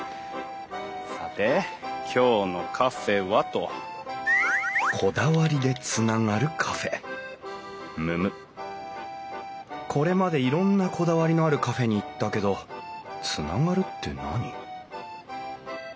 さて今日のカフェはと。むむ？これまでいろんなこだわりのあるカフェに行ったけどつながるって何？